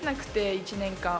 １年間。